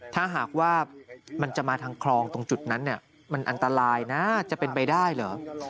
ถ้าหากว่ามันจะมาทางคลองตรงจุดนั้นมันอันตรายนะจะเป็นไปได้เหรอ